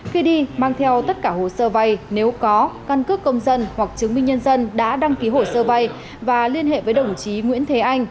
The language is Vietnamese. khi đi mang theo tất cả hồ sơ vay nếu có căn cước công dân hoặc chứng minh nhân dân đã đăng ký hồ sơ vay và liên hệ với đồng chí nguyễn thế anh